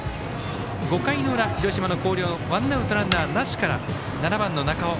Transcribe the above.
５回の裏、広島の広陵ワンアウト、ランナーなしから７番の中尾。